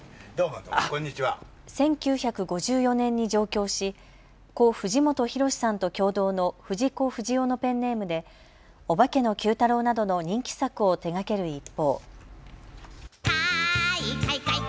１９５４年に上京し故・藤本弘さんと共同の藤子不二雄のペンネームでオバケのＱ太郎などの人気作を手がける一方。